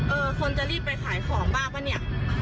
คนจะรีบไปขายของบ้างป่ะเนี่ย